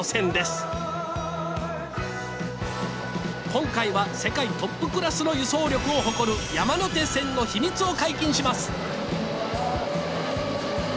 今回は世界トップクラスの輸送力を誇る山手線の秘密を解禁します